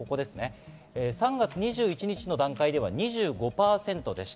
３月２１日の段階では２５％。